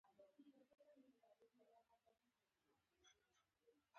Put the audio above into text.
هغې د روښانه دریاب په اړه خوږه موسکا هم وکړه.